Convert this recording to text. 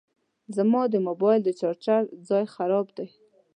زما د موبایل د چارجر ځای خراب دی